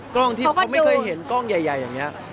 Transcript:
กล้องที่เขาไม่เคยเห็นกล้องใหญ่อย่างนี้